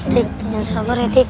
tik jangan sabar ya tik